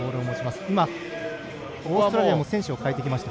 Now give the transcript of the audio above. オーストラリア選手を代えてきました。